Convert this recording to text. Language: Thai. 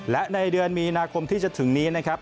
และในเดือนมีนาคมที่จะถึงนี้นะครับ